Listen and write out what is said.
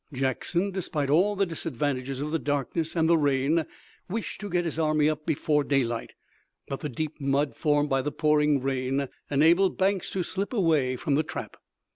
Jackson, despite all the disadvantages of the darkness and the rain, wished to get his army up before daylight, but the deep mud formed by the pouring rain enabled Banks to slip away from the trap.